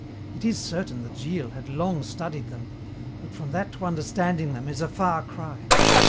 It is certain that Gilles had long studied them, but from that to understanding them is a far cry.